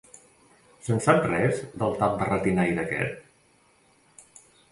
Se'n sap res, del tap barretinaire aquest?